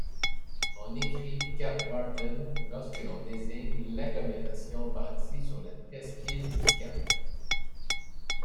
On écrit Cap-Martin lorsque l’on désigne l'agglomération bâtie sur la presqu'île du cap.